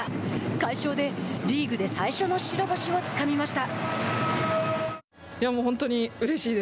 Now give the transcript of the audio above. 快勝でリーグで最初の白星をつかみました。